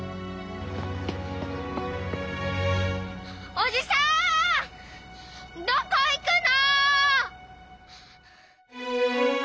おじさんどこ行くの！？